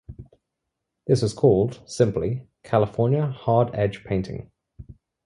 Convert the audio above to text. This was called, simply, California Hard-edge painting.